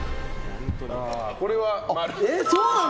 これは〇。